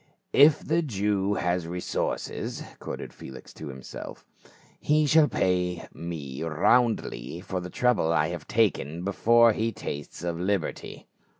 "If the Jew has resources," quoth Felix to himself, "he shall pay me roundly for the trouble I have taken before he tastes of liberty."